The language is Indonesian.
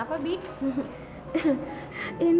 bapak kita kerenhrlichin your cooperation